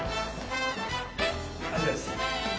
あちらです。